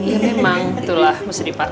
iya memang itulah mesti dipaksa